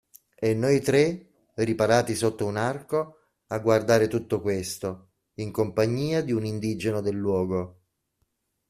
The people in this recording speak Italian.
E noi tre, riparati sotto un arco, a guardare tutto questo, in compagnia di un indigeno del luogo.